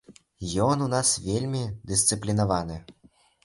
Ён у нас вельмі дысцыплінаваны.